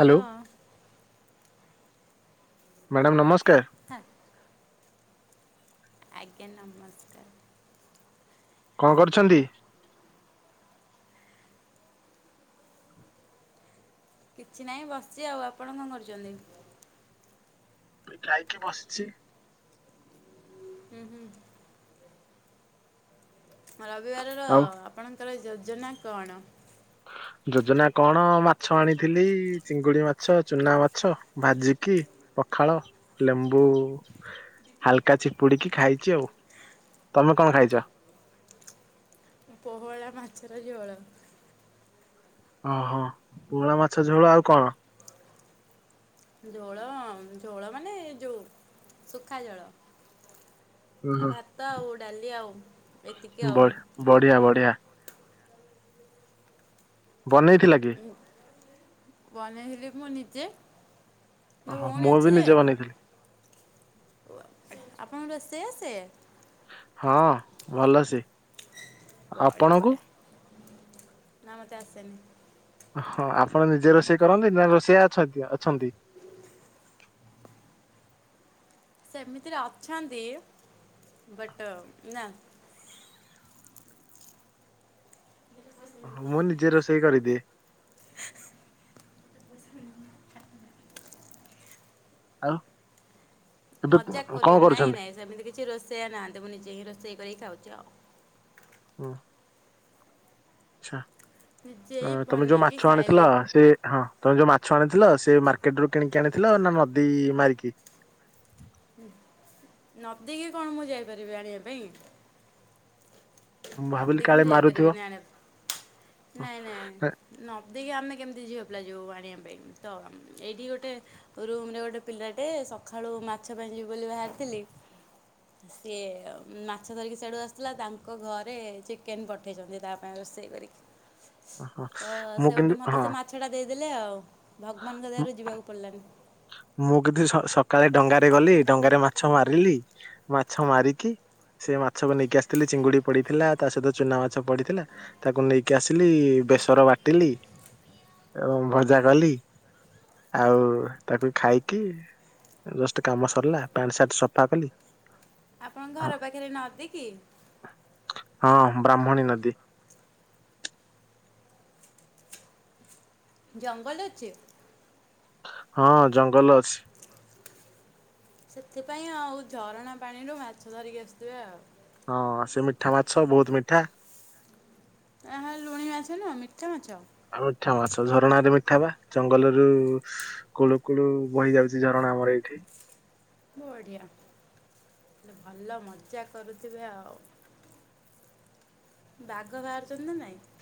Hello madam ନମସ୍କାର। ହଁ ଆଜ୍ଞା ନମସ୍କାର। କଣ କରୁଛନ୍ତି? କିଛି ନାହିଁ ବସିଚି ଆଉ, ଆପଣ କଣ କରୁଚନ୍ତି? ଏଇ ଖାଇକି ବସିଚି। ଉଁ ହୁଁ। ରବିବାରର ଆଉ ଆପଣଙ୍କର ଯୋଜନା କଣ? ଯୋଜନା କଣ, ମାଛ ଆଣିଥିଲି ଚିଙ୍ଗୁଡି ମାଛ, ଚୁନା ମାଛ ଭାଜିକି ପଖାଳ, ଲେମ୍ବୁ ହାଲକା ଚିପୁଡ଼ିକି ଖାଇଚି ଆଉ, ତମେ କଣ ଖାଇଚ? ପୋହଳା ମାଛର ଝୋଳ। ଅଁ ହଁ ପୋହୋଳା ମାଛ ଝୋଳ, ଆଉ କଣ? ଝୋଳ ଝୋଳ, ମାନେ ଯଉ ଶୁଖା ଝୋଳ। ଓହୋ, ଆଉ ଭାତ, ଆଉ ଡାଲି, ଆଉ ଏତିକି ଆଉ, ବଢି- ଆଉ ବଢିଆ କଣ? ବଢିଆ ବନେଇଥିଲା କିଏ? ବନେଇ ଥିଲି, ମୁଁ ନିଜେ ମୋ ଓହୋ, ଭଉଣୀ ମୁଁ ଅଛି ବି ଯେ ନିଜେ ବନେଇଥିଲି। ଆପଣଙ୍କୁ ରୋଷେଇ ଆସେ? ହଁ, ଭଲ ସେ। ବଢିଆ ବଢିଆ, ନା ମତେ ଆସେନି। ହଁ, ଆପଣ ନିଜେ ରୋଷେଇ କରନ୍ତି, ନା ରୋଷେଇଆ ଅଛନ୍ତି? ସେମିତିରେ ଅଛନ୍ତି, ବଟ ନା ଓହୋ, ମୁଁ ନିଜେ ରୋଷେଇ କରିଦିଏ। ଆଉ ଏବେ ମଜାକ କଣ କରୁଚନ୍ତି, ନାଇଁ କରୁଛନ୍ତି? ନାଇଁ ସେମିତି କିଛି ରୋଷେଇଆ ନାହାନ୍ତି, ମୁଁ ନିଜେ ହିଁ ରୋଷେଇ କରିକି ଖାଉଛି ଆଉ। ହଁ। ଆଛା, ନିଜେ ହିଁ ତମେ ଯଉ ବନେଇକି ମାଛ ଖାଇଲି ଆଣିଥିଲ ସେ ହଁ, ତମେ ଯଉ ମାଛ ଆଣିଥିଲ ସେ ମାର୍କେଟ ରୁ କିଣିକି ଆଣିଥିଲ, ନା ନଦୀ ମାରିକି? ନଦୀ କି କଣ, ମୁଁ ଯାଇପାରିବି ଆଣିବା ପାଇଁ। ମୁଁ ଭାବିଲି ନଦୀକି କାଳେ ମୁଁ ମାରୁଥିବ ଯାଇପାରିବିନି ଆଣିବା କୁ, ନାଇଁ ନାଇଁ। ହଁ ନଦୀକୁ ଆମେ କେମିତି ଝିଅ ପିଲା ଯିବୁ ଆଣିବା ପାଇଁ, ତ ଏଇଠି ଗୋଟେ ରୁମ ରେ ଗୋଟେ ପିଲାଟେ ସକାଳୁ ମାଛ ପାଇଁ ଯିବି ବୋଲି ବାହାରିଥିଲି ସିଏ ମାଛ ଧରିକି ସେଆଡୁ ଆସିଥିଲା, ତାଙ୍କ ଘର ଏବେ ଚିକେନ୍ ପଠେଇଛନ୍ତି ତା ପାଇଁ ରୋଷେଇ କରି କି ହଁ। ତ ମୁଁ କିନ୍ତୁ ସେଉଠୁ ମତେ ହଁ। ସେ ମା ସେଟା ଦେଇଦେଲେ ଆଉ, ଭଗବାନଙ୍କ ମୁଁ ଦୟାରୁ ଯିବାକୁ ପଡ଼ିଲାନି। ମୁଁ କିନ୍ତୁ, ସ ସକାଳେ ଡଙ୍ଗାରେ ଗଲି, ଡଙ୍ଗାରେ ମାଛ ମାରିଲି, ମାଛ ମାରିକି ସେ ମାଛକୁ ନେଇକି ଆସିଥିଲି, ଚିଙ୍ଗୁଡି ପଡିଥିଲା, ତା ସହିତ ଚୁନା ମାଛ ପଡିଥିଲା। ତାକୁ ନେଇକି ଆସିଲି, ବେସର ବାଟିଲି। ଏଁ ଭଜା କଲି, ଆଉ ତାକୁ ଖାଇକି ଜଷ୍ଟ କାମ ସରିଲା, ପ୍ୟାଣ୍ଟ ସାର୍ଟ ସଫା କଲି। ଆପଣ ହଁ ଘର ପାଖରେ ନଦୀ କି? ହଁ ବ୍ରାହ୍ମଣୀ ନଦୀ। ଜଙ୍ଗଲ ଅଛି। ହଁ ଜଙ୍ଗଲ ଅଛି। ସେଥିପାଇଁ ଆଉ ଝରଣା ପାଣିରୁ ମାଛ ଧରିକି ଆଶୁଥିବେ ଆଉ। ହଁ ସେ ମିଠା ମାଛ ବହୁତ ମିଠା। ଏହା ଲୁଣି ମାଛ ନୁଅ ମିଠା ମାଛ। ଆଉ ମିଠା ମାଛ ଝରଣାରେ ମିଠା ପା ଜଙ୍ଗଲରୁ କୁଳୁ କୁଳୁ ବହି ଯାଉଛି ଝରଣା ଆମର ଏଇଠି। ବଢିଆ ଭଲ ମଜା କରୁଥିବେ ଆ ବାଘ ବାହାରୁଛନ୍ତି କି ନା ନାଇଁ?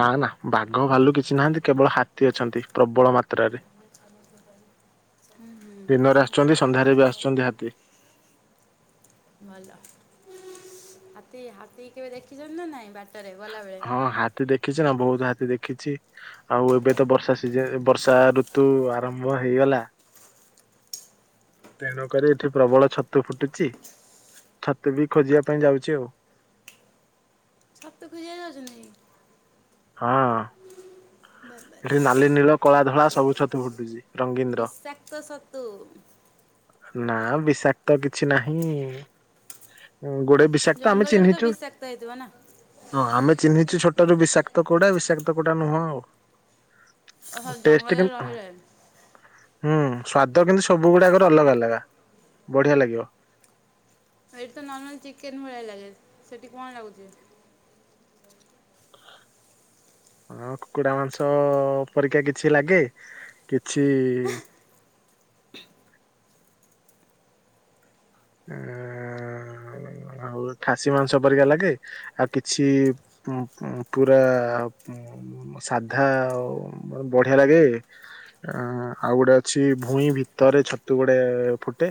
ନା ନା ବାଘ ଭାଲୁ କିଛି ନାହାନ୍ତି କେବଳ ହାତୀ ଅଛନ୍ତି ପ୍ରବଳ ମା ତ୍ରା ରେ ହୁଁ ହୁଁ ଦିନରେ ଆସୁଛନ୍ତି ସନ୍ଧ୍ୟାରେ ବି ଆସୁଛନ୍ତି ହାତୀ। ଭଲ ହାତୀ ହାତୀ କେବେ ଦେଖିଛନ୍ତି ନା ନାଇଁ ବା ହଁ ହାତୀ ଦେଖିଛି ନା ବହୁତ ହାତୀ ଦେଖିଛି। ଆଉ ଏବେ ତ ବର୍ଷା ସିଜି ବର୍ଷା ଋତୁ ଆରମ୍ଭ ହେଇଗଲା। ତେଣୁକରି ଏଠି ପ୍ରବଳ ଛତୁ ଫୁଟୁଛି ଛତୁ ବି ଖୋଜିବା ପାଇଁ ଯାଉଛି ଆଉ। ଛତୁ ଖୋଜି ଵା ପାଇଁ ଯାଉଛନ୍ତି? ହଁ ବାବାରେ। ଏଠି ନାଲି ନୀଳ କଳା ଧଳା ସବୁ ଛତୁ ଫୁଟୁଛି। ରଙ୍ଗୀନ ର ବିଷାକ୍ତ ସତୁ। ନା ବିଷାକ୍ତ କିଛି ନାହିଁ। ଗୋଡେ ବିଷାକ୍ତ ଆମେ ଜଙ୍ଗଲରେ ତ ଚିହ୍ନିଚୁ। ବିଷାକ୍ତ ହେଇଥିବ ନା? ହଁ ଆମେ ଚିହ୍ନିଛୁ ଛୋଟରୁ ବିଷାକ୍ତ କୋଉଟା ବିଷାକ୍ତ କଉଟା ଓହୋ ନୁହଁ। ଟେଷ୍ଟ ଜଙ୍ଗଲରେ କେମି ରହି ରହି। ହୁଁ ସ୍ଵାଦ କିନ୍ତୁ ସବୁ ଗୁଡାକ ର ଅଲଗା ଅଲଗା ବଢିଆ ଲାଗିବ। ଏଇଠି ତ ନର୍ମାଲ ଚିକେନ୍ ଭଳିଆ ଲାଗେ ସେଠି କଅଁ ଲାଗୁଛି। ହଁ କୁକୁଡ଼ା ମାଂସ ଅ ପରିକା କିଛି ଲାଗେ କିଛି ଇ ଆଁ--ଆଁ ଆଁ ଆଁ ଆଉ ଖାସି ମାଂସ ପରିକା ଲାଗେ। ଆଉ କିଛି ମୁ ମୁ ମୁ ପୁରା ମୁ ଉଁ ସାଧା ଆ ବଢିଆ ଲାଗେ। ଆଁ ଆଉ ଗୋଟେ ଅଛି ଭୁଇଁ ଭିତରେ ଛତୁ ଗୋଟେ ଫୁଟେ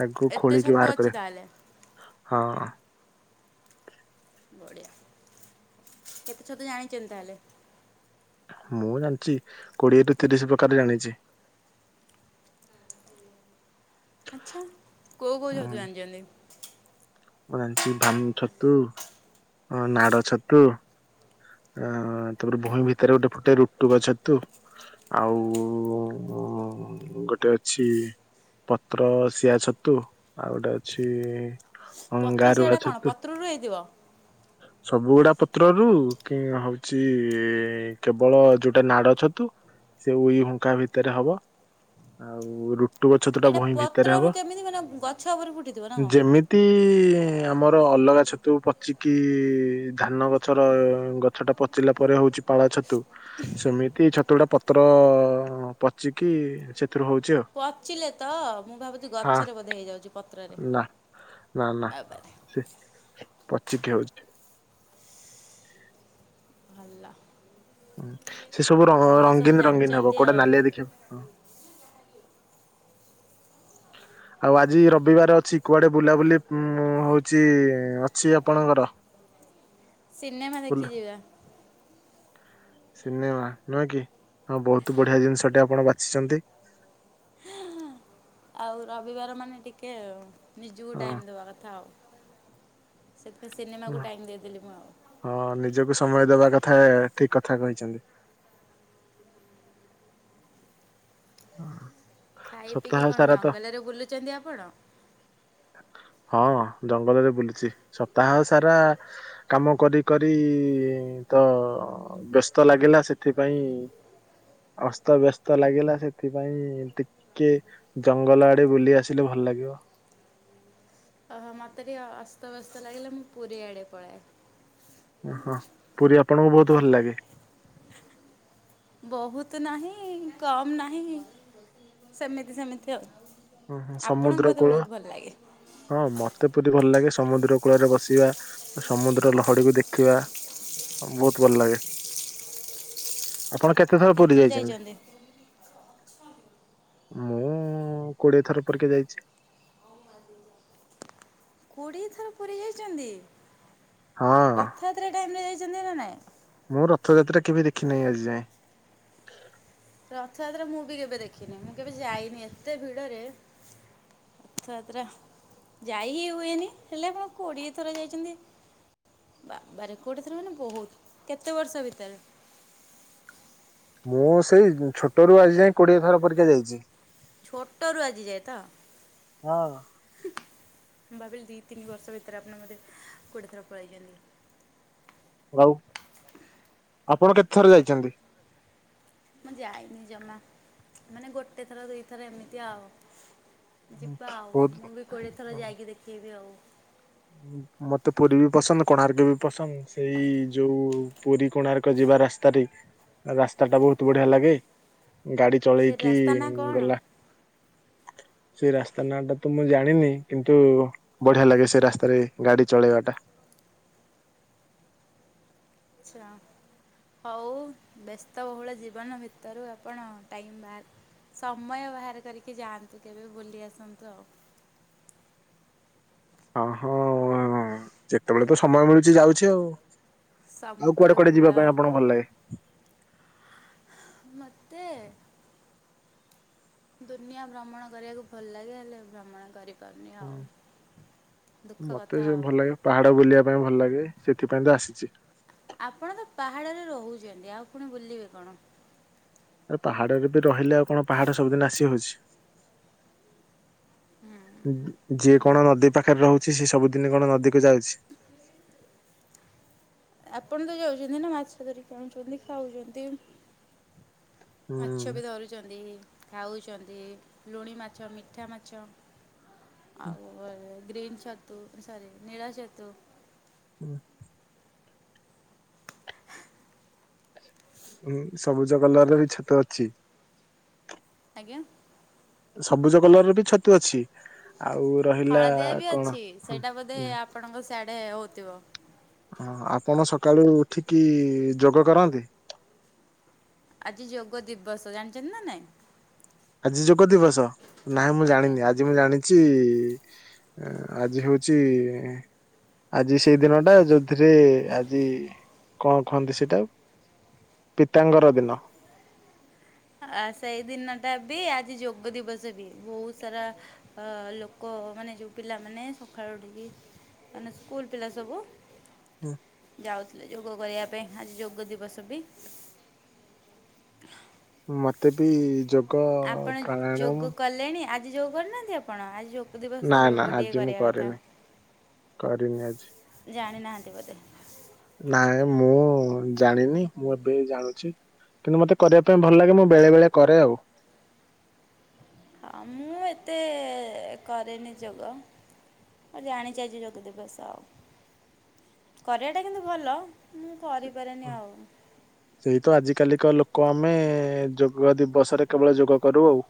ତାକୁ ଏତେ ଖୋଳି କି ଛତୁ ଅଛି ଭାରକରି ତାହେଲେ ଆ ହଁ। ବଢ଼ିଆ। କେତେ ଛତୁ ଜାଣିିଚନ୍ତି ତାହେଲେ? ମୁଁ ଜାଣିଚି କୋଡିଏ ରୁ ତିରିଶ ପ୍ରକାର ଜାଣିଚି। ଆଚ୍ଛା କୋଉ କୋଉ ହଁ ଛତୁ ଜାଣିଛନ୍ତି? ମୁଁ ଜାଣିଛି ଭାନୁ ଛତୁ ଅଁ ନାଡ ଛତୁ। ଆଁ ତାପରେ ଭୂଇଁ ଭିତରେ ଗୋଟେ ଫୁଟେ ରୁଟୁଗ ଛତୁ। ଆଉ ଉ--ଉ--ଉ--ଉ ଗୋଟେ ଅଛି। ପତ୍ର ସିଆ ଛତୁ ଆଉ ଗୋଟେ ଅଛି ଇ ଅ ପତ୍ର ଗାରୁଆ ସିଆଟା କ'ଣ ଛତୁ ପତ୍ରରୁ ହେଇଥିବ ସବୁଗୁଡା ପତ୍ରରୁ। କେ ହଉଚି ଇ କେବଳ ଯୋଉଟା ନାଡ ଛତୁ। ସେ ଉଇ ହୁଙ୍କା ଭିତରେ ହବ ଆଉ ରୁ ରୁଟୁଗ ଛତୁ ଟା ଏଇଟା ଭୂଇଁ ଭିତରେ ପତ୍ରରୁ ହବ କେମିତି ମାନେ ଗଛ ଉପରେ ଫୁଟିଥିବ ନା କ'ଣ ଯେମି ଅତି ଆମର ଅଲଗା ଛତୁ ପଚିକି ଧାନ ଗଛର ଗଛ ଟା ପଚିଲା ପରେ ହଉଛି ପାଳ ଛତୁ। ସେମିତି ଛତୁ ଗୁଡା ପତ୍ର ଅ ପଚିକି ସେ ପଚିଲେ ତ ମୁଁ ଭାବୁଛି ଗଛରେ ବୋଧେ ହେଇଯାଉଛି ପତ୍ରରେ। ହଁ ନା ନା ନା ବାବାରେ ସେ ପଚିକି ହଉଚି। ଭଲ। ହୁଁ ସେ ସବୁ ଭଲ ସବୁ ରଙ୍ଗୀନ ରଙ୍ଗୀନ ହବ ଜାଣିଛନ୍ତି କୋଉଟା ଆଉ ନାଲିଆ ଦେଖିବା ହ। ଆଉ ଆଜି ରବିବାର ଅଛି କୁଆଡେ ବୁଲାବୁଲି ଉ ହଉଛି ଅଛି ଆପଣଙ୍କର? ସିନେମା ବୁଲ ଦେଖି ଯିବା ସିନେମା ନୁହେଁ କି ହଁ ବହୁତ ବଢିଆ ଜିନିଷ ଟେ ଆପଣ ବାଛିଛନ୍ତି। ଆଉ ରବିବାର ମାନେ ଟିକେ ନିଜକୁ ଟାଇମ ଦେବା କଥା ଆଉ। ସେତେ ସିନେମା କୁ ହଁ। ଟାଇମ ଦେଇଦେଲି ମୁଁ ଆଉ। ହଁ ନିଜକୁ ସମୟ ଦବା କଥା ଠିକ କଥା କହିଛନ୍ତି। ହଁ। ଖାଇ ପିଇକି କଣ ଜଙ୍ଗଲରେ ବୁଲୁଚନ୍ତି ଆପଣ? [unintelligible] ହଁ ଜଙ୍ଗଲରେ ବୁଲୁଚି ସପ୍ତାହ ସାରା କାମ କରି କରି ତ ବ୍ୟସ୍ତ ଲାଗିଲା ସେଥିପାଇଁ ଅସ୍ତ ବ୍ୟସ୍ତ ଲାଗିଲା ସେଥିପାଇଁ ଟିକେ ଜଙ୍ଗଲ ଆଡେ ବୁଲି ଆସିଲେ ଭଲ ଲାଗିବ। ଓହୋ ମୋତେ ଯେବେ ଅସ୍ତବସ୍ତ ଲାଗିଲା ମୁଁ ପୁରୀ ଆଡ଼େ ପଳାଏ। ଓହୋ ପୁରୀ ଆପଣଙ୍କୁ ବହୁତ ଭଲ ଲାଗେ? ବହୁତ ନାହିଁ କମ୍ ନାହିଁ ସେମିତି ସେମିତି ଆଉ। ଓହୋ ଆପଣଙ୍କୁ ସମୁଦ୍ର ବୋଧେ କୂଳ ବହୁତ ଭଲ ଲାଗେ। ହଁ ମତେ ପୁରୀ ଭଲ ଲାଗେ ସମୁଦ୍ର କୂଳରେ ବସିବା। ସମୁଦ୍ର ଲହଡିକୁ ଦେଖିବା ବହୁତ ଭଲ ଲାଗେ। ଆପଣ କେତେଥର ପୁରୀ ଯାଇଚନ୍ତି? କୋଡ଼ିଏ ଥର ପରକେ ଯାଇଚି। [inaudible] କୋଡ଼ିଏ ଥର ପୁରୀ ଯାଇଚନ୍ତି? ହଁ। ରଥଯାତ୍ରା ଟାଇମରେ ଯାଇଚନ୍ତି ନା ନାଇଁ? ମୁଁ ରଥଯାତ୍ରା କେବେ ଦେଖି ନାହିଁ ଆଜି ଯାଏଁ। ରଥଯାତ୍ରା ମୁଁ ବି କେବେ ଦେଖିନି। ମୁଁ କେବେ ଯାଇନି ଏତେ ଭିଡରେ। ଥ ଯାତ୍ରା ଯାଇ ହି ହୁଏନି। ହେଲେ ଆପଣ କୋଡିଏ ଥର ଯାଇଚନ୍ତି ବାପା ରେ କୋଡିଏ ଥର ମାନେ ବହୁତ କେତେ ବର୍ଷ ଭିତରେ? ମୁଁ ସେଇ ଛୋଟରୁୁ ଆଜି ଯାଏ କୋଡିଏ ଥର ପରିକା ଯାଇଚି। ଛୋଟରୁ ଆଜିଯାଏ ତ? ହଁ। ଭାବିଲି ଦି ତିନି ବର୍ଷ ଭିତରେ ଆପଣ ବୋଧେ କୋଡ଼ିଏ ଥର ପଳେଇଚନ୍ତି। ଆଉ ଆପଣ କେତେ ଥର ଯାଇଚନ୍ତି? ମୁଁ ଯାଇନି ଜମା ମାନେ ଗୋଟେ ଥର ଦି ଥର ଏମିତି ଆଉ। ଯିବା ଆଉ। ବହୁତ ମୁଁ ବି କୋଡ଼ିଏ ଥର ଯାଇକି ଦେଖେଇବି ଆଉ। ଉଁ ମତେ ପୁରୀ ବି ପସନ୍ଦ, କୋଣାର୍କ ବି ପସନ୍ଦ। ସେଇ ଯୋଉ ପୁରୀ କୋଣାର୍କ ଯିବା ରାସ୍ତାରେ ରାସ୍ତା ଟା ବହୁତ ବଢିଆ ଲାଗେ। ଗାଡି ସେ ଚଳେଇକି ରାସ୍ତା ନା କଣ? ଗଲା ସେ ରାସ୍ତା ନାଁ ଟା ତ ମୁଁ ଜାଣିନି କିନ୍ତୁ ବଢିଆ ଲାଗେ ସେ ରାସ୍ତ ଆରେ ଗାଡି ଚଳେଇବାଟା। ଆଛା। ହଉ ବ୍ୟସ୍ତବହୁଳ ଜୀବନ ଭିତରୁ ଆପଣ ଟାଇମ୍ ବାହାର ସମୟ ବାହାର କରିକି ଯାଆନ୍ତୁ କେବେ ବୁଲି ଆସନ୍ତୁ ଆଉ। ଅହୋ ନେ ଯେତେବେଳେ ତ ସମୟ ମିଳୁଚି ଯାଉଚି ଆଉ। ଆଉ ସମୁଦ୍ର କୁଆଡେ କୁଆଡେ କୂଳ ଯିବା ପାଇଁ ଆପଣଙ୍କୁ ଭଲ ଲାଗେ? ମୋତେ? ଦୁନିଆ ଭ୍ରମଣ କରିବାକୁ ଭଲ ଲାଗେ ହେଲେ ଭ୍ରମଣ କରିବ ପାରୁନି ଆଉ ହୁଁ ଦୁଃଖ ମତେ କଥା ସେ ଆଉ। ଭଲ ଲାଗେ ପାହାଡ ବୁଲିବା ପାଇଁ ଭଲ ଲାଗେ ସେଥିପାଇଁ ତ ଆସିଚି। ଆପଣ ତ ପାହାଡରେ ରହୁଚନ୍ତି ଆଉ ପୁଣି ବୁଲିବେ କଣ। ଆ ପାହାଡରେ ବି ରହିଲେ, ଆଉ କଣ ପାହାଡ ସବୁଦିନ ଆସି ହଉଛି। ହୁଁ ଯିଏ ଭଲ। କଣ ନଦୀ ପା ପାଖରେ ରହୁଚି, ସ ସବୁଦିନି କଣ ନଦୀକୁ ଯାଉଚି। ଆପଣ ତ ଯାଉଚନ୍ତି ନା, ମାଛ ଧରିକି ଆଣୁଚନ୍ତି, ଖାଉଚନ୍ତି। ମାଛ ବି ହୁଁ ଧରୁଚନ୍ତି, ଖାଉଚନ୍ତି, ଲୁଣି ମାଛ, ମିଠା ମାଛ ଆଉ ଗ୍ରୀନ୍ ଛତୁ, ସରି, ନୀଳ ଛତୁ ହୁଁ। ଉଁ, ସବୁଜ କଲରର ବି ଛତୁ ଅଛି। ଆଜ୍ଞା। ସବୁଜ କଲର ର ବି ଛତୁ ଅଛି, ଆଉ ରହିଲା ହଳଦିଆ ବି କଣ, ଅଛି ହଁ ସେଇଟା ବୋଧେ ହଁ ଆପଣଙ୍କ ସିଆଡେ ହଉଥିବ। ହଁ, ଆପଣ ସକାଳୁ ଉଠିକି ଯୋଗ କରନ୍ତି? ଆଜି ଯୋଗ ଦିବସ, ଜାଣିଚନ୍ତି ନା ନାଇଁ? ଆଜି ଯୋଗ ଦିବସ, ନାଇଁ ମୁଁ ଆଜ୍ଞା। ଜାଣିନି, ଆଜି ମୁଁ ଜାଣିଚି ଆଜି ହଉଚି ଆଜି ସେଇ ଦିନ ଟା, ଯଉଥିରେ ଆଜି କଣ କୁହନ୍ତି ସେଇଟାକୁ ପିତାଙ୍କର ଦିନ। ଆ ସେଇ ଦିନ ଟା ବି, ଆଜି ଯୋଗ ଦିବସ ବି, ବହୁତ ସାରା ଅ ଲୋକ ମାନେ, ଯୋଉ ପିଲାମାନେ, ସକାଳୁ ଉଠିକି ମାନେ ସ୍କୁଲ ପିଲା ସବୁ ହୁଁ। ଯାଉଥିଲେ ଯୋଗ କରିବା ପାଇଁ, ଆଜି ଯୋଗ ଦିବସ ବି। ମତେ ବି ଯୋଗ୍ ଆପଣ ଯୋଗ କଲେଣି, ଆଜି ଯୋଗ କରିନାହାନ୍ତି ଆପଣ, ଆଜି ଯୋଗ ଯୋଗ ନା ଦିବସ, ନା ଯୋଗ ଟିକେ ଆଜି ମୁଁ କରିବା କଥା, କରିନି କରିନି ଆଜି। ଜାଣିନାହାନ୍ତି ବୋଧେ? ନାଇଁ ମୁଁ ଜାଣିନି, ମୁଁ ଏବେ ଜାଣୁଚି। କିନ୍ତୁ ମୋତେ କରିବା ପାଇଁ ଭଲ ଲାଗେ, ମୁଁ ବେଳେ ବେଳେ କରେ ଆଉ। ହଁ, ମୁଁ ଏତେ କରେନି ଯୋଗ। ମୁଁ ଜାଣିଚି ଆଜି ଯୋଗ ଦିବସ ଆଉ, କରିବା ଟା କିନ୍ତୁ ଭଲ। ମୁଁ କରିପାରେନି ଆଉ। ସେଇତ ଆଜିକାଲିକ ଲୋକ ଆମେ, ଯୋଗ ଦିବସରେ କେବଳ ଯୋଗ କରୁ ଆଉ।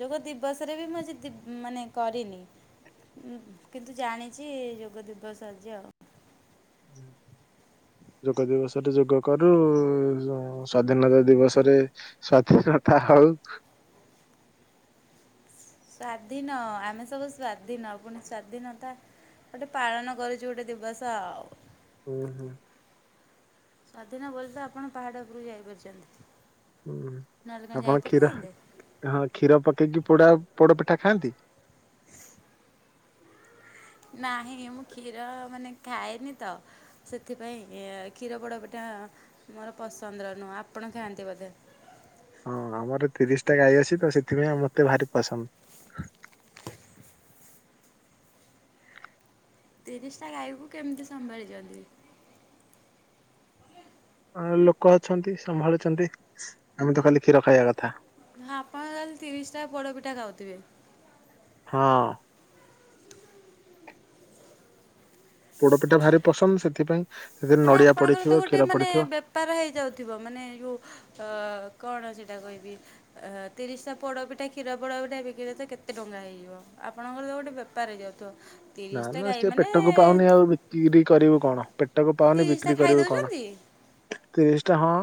ଯୋଗ ଦିବସ ରେ ବି, ମୁଁ ଆଜି ଦିବ ମାନେ କରିନି। ଉଁ, କିନ୍ତୁ ଜାଣିଛି ଯୋଗ ଦିବସ ଆଜି ଆଉ। [unintelligible] ଯୋଗ ଦିବସରେ ଯୋଗ କରୁ, ସ୍ଵାଧୀନତା ଦିବସରେ ସ୍ୱାଧୀନତା ହଉ ସ୍ଵାଧୀନ, ଆମେ ସବୁ ସ୍ଵାଧିନ, ପୁଣି ସ୍ଵାଧୀନତା ଗୋଟେ ପାଳନ କରୁଚୁ, ଗୋଟେ ଦିବସ ଆଉ। ଉଁ ହୁଁ। ସ୍ୱାଧୀନ ବୋଲି ତ, ଆପଣ ପାହାଡ଼ ଉପୁରୁକୁ ଯାଇପାରିଚନ୍ତି। ହୁଁ, ଆପଣ କ୍ଷୀର, ହଁ କ୍ଷୀର ପକେଇକି ପୋଡା ପୋଡ ପିଠା ଖାଆନ୍ତି? ନାହିଁ, ମୁଁ କ୍ଷୀର ମାନେ ଖାଏନି ତ ସେଥିପାଇଁ, କ୍ଷୀର ପୋଡ଼ ପିଠା ମୋର ପସନ୍ଦର ନୁହଁ, ଆପଣ ଖାଆନ୍ତି ବୋଧେ? ହଁ ଆମର ତିରିଶ ଟା ଗାଈ ଅଛି ତ, ସେଥିପାଇଁ ମତେ ଭାରି ପସନ୍ଦ। ତିରିଶଟା ଗାଈକୁ କେମିତି ସମ୍ଭାଳିଚନ୍ତି? ହଁ ଲୋକ ଅଛନ୍ତି ସମ୍ଭାଳୁଚନ୍ତି ଆମେ ତ ଖାଲି କ୍ଷୀର ଖାଇବା କଥା। ହଁ ଆପଣ ତାହାଲେ ତିରିଶଟା ପୋଡ଼ପିଠା ଖାଉଥିବେ। ହଁ। ପୋଡପିଠା ଭାରି ପସନ୍ଦ ସେଥିପାଇଁ ସେଥିରେ ମାନେ ନଡିଆ ପଡିଥିବ ଆପଣଙ୍କରତ ଗୋଟେ କ୍ଷୀର ମାନେ ପଡିଥିବ ବେ ପାର ହେଇଯାଉଥିବ ମାନେ ଯୋଉ କଣ ସେଇଟା କହିବି। ତିରିଶଟା ପୋଡ଼ପିଠା କ୍ଷୀର ପୋଡ଼ପିଠା ବିକିଲେ ତ କେତେ ଟଙ୍କା ହେଇଯିବ। ଆପଣଙ୍କର ତ ଗୋଟେ ବେ ପାର ହେଇଯାଉଥିବ ତିରିଶଟା ଗାଈ ମାନେ କି ବି କରିବୁ କଣ ପେଟକୁ ପାଉନି ତିରିଶଟା ବିକ୍ରି ଖାଇ କରିବୁ କଣ ଦଉଛନ୍ତି ତିରିଶଟା ହଁ